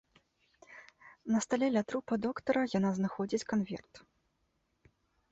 На стале, ля трупа доктара яна знаходзіць канверт.